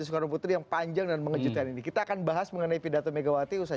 soekarno putri yang panjang dan mengejutkan ini kita akan bahas mengenai pidato megawati usai